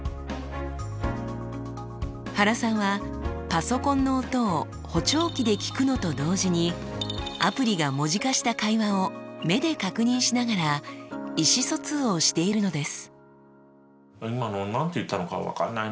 原さんはパソコンの音を補聴器で聞くのと同時にアプリが文字化した会話を目で確認しながら意思疎通をしているのです。